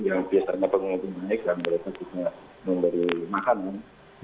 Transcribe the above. yang biasanya pengunjung naik dan mereka juga memberi makanan